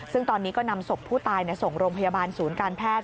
ซึ่งตอนนี้ก็นำศพผู้ตายส่งโรงพยาบาลศูนย์การแพทย์